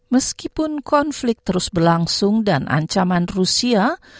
meskipun konflik terus berlangsung dan ancaman rusia